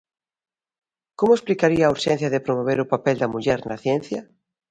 Como explicaría a urxencia de promover o papel da muller na ciencia?